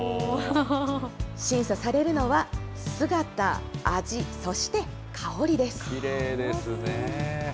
審査されるのは、姿、味、そしてきれいですね。